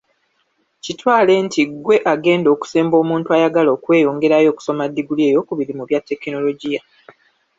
Kitwale nti ggwe agenda okusemba omuntu ayagala okweyongerayo okusoma ddiguli eyokubiri mu bya tekinologioya.